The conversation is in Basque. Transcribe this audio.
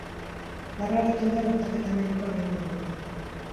Gaur arratsaldean azterketa medikoa egingo diote.